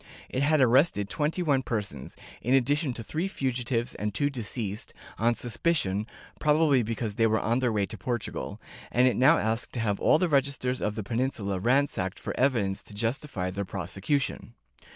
It had arrested twenty one persons, in addi tion to three fugitives and two deceased, on suspicion — probably because they were on their way to Portugal — and it now asked to have all the registers of the Peninsula ransacked for evidence to justify their prosecution.